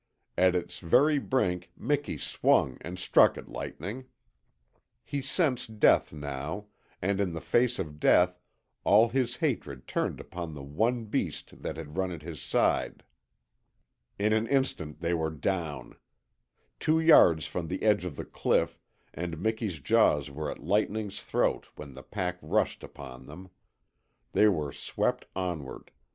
At its very brink Miki swung and struck at Lightning. He sensed death now, and in the face of death all his hatred turned upon the one beast that had run at his side. In an instant they were down. Two yards from the edge of the cliff, and Miki's jaws were at Lightning's throat when the pack rushed upon them. They were swept onward.